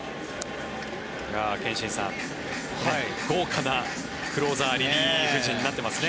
憲伸さん、豪華なクローザー守備陣になっていますね。